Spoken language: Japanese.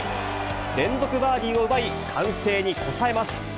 連続バーディーを奪い歓声に応えます。